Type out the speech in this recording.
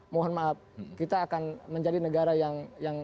mohon maaf kita akan menjadi negara yang